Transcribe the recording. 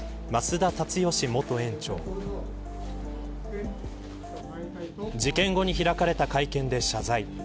田立義元園長事件後に開かれた会見で謝罪。